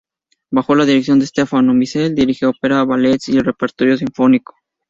Bajo la dirección de Stefano Miceli dirige óperas, ballets y el repertorio sinfónico.